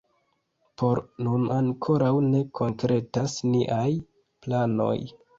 Por nun ankoraŭ ne konkretas niaj planoj.